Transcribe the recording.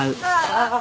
ああ！